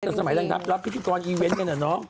ให้สมัยดังนับรับพิธีกรอีเวนต์กันอ่ะน้อง